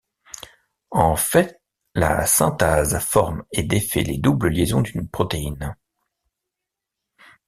En fait la synthase forme et défait les doubles liaisons d'une protéine...